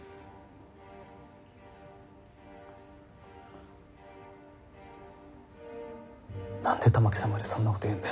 何でたまきさんまでそんなこと言うんだよ。